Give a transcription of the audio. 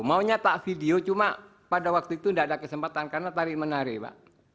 mau nyata video cuma pada waktu itu tidak ada kesempatan karena tarik menarik pak